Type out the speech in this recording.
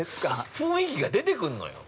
◆雰囲気が出てくんのよ。